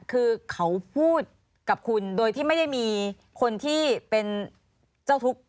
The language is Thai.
คือเขาพูดกับคุณโดยที่ไม่ได้มีคนที่เป็นเจ้าทุกข์